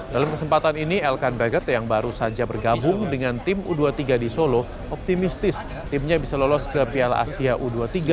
dalam kesempatan ini elkan breget yang baru saja bergabung dengan tim u dua puluh tiga di solo optimistis timnya bisa lolos ke piala asia u dua puluh tiga